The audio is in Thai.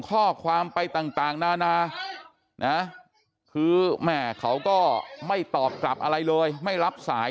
ข้อความไปต่างนานานะคือแม่เขาก็ไม่ตอบกลับอะไรเลยไม่รับสาย